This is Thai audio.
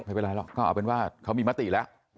ไม่เป็นไรหรอกก็เอาเป็นว่าเขามีมติแล้ว